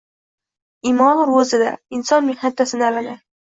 Imon roʻzada, inson mehnatda sinaladi